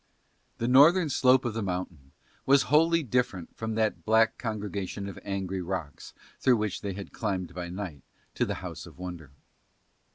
The northern slope of the mountain was wholly different from that black congregation of angry rocks through which they had climbed by night to the House of Wonder.